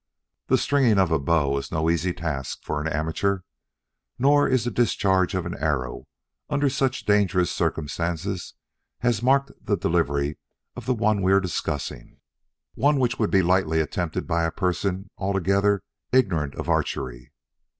The stringing of a bow is no easy task for an amateur; nor is the discharge of an arrow, under such dangerous circumstances as marked the delivery of the one we are discussing, one which would be lightly attempted by a person altogether ignorant of archery.